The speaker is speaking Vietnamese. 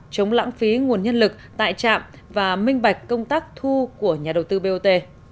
chống lãng phí nguồn nhân lực tại trạm và minh bạch công tác thu của nhà đầu tư bot